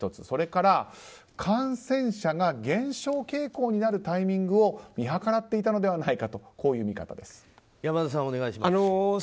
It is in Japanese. それから、感染者が減少傾向になるタイミングを見計らっていたのではないかという見方です。